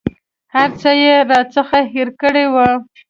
هر څه یې راڅخه هېر کړي وه.